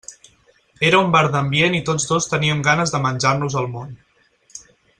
Era un bar d'ambient i tots dos teníem ganes de menjar-nos el món.